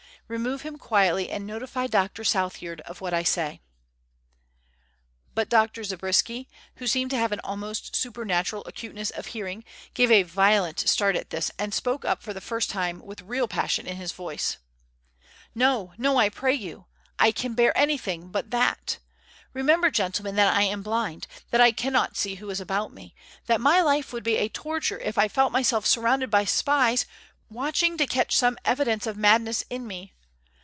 Remove him quietly, and notify Dr. Southyard of what I say." But Dr. Zabriskie, who seemed to have an almost supernatural acuteness of hearing, gave a violent start at this, and spoke up for the first time with real passion in his voice: "No, no, I pray you. I can bear anything but that. Remember, gentlemen, that I am blind; that I cannot see who is about me; that my life would be a torture if I felt myself surrounded by spies watching to catch some evidence of madness in me.